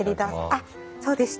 あっそうでした。